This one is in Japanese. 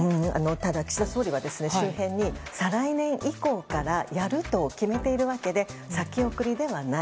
ただ、岸田総理は周辺に、再来年以降からやると決めているわけで先送りではない。